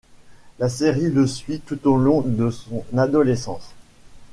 La série le suit tout au long de son adolescence.